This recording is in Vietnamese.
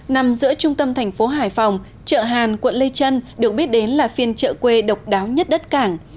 nằm giữa trung tâm thành phố hải phòng chợ hàn quận lê trân được biết đến là phiên chợ quê độc đáo nhất đất cảng